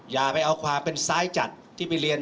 อย่าไปเอาความเป็นซ้ายจัดที่ไปเรียน